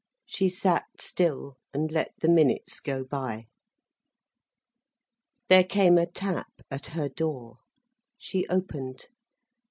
She sat still and let the minutes go by. There came a tap at her door. She opened.